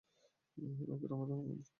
ওকে থামাতে হবে আমার।